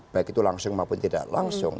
baik itu langsung maupun tidak langsung